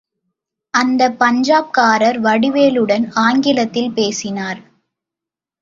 அந்த பஞ்சாப்காரர் வடிவேலுடன் ஆங்கிலத்தில் பேசினார்.